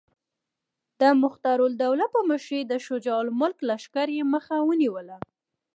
د مختارالدوله په مشرۍ د شجاع الملک لښکر یې مخه ونیوله.